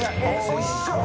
おいしそう。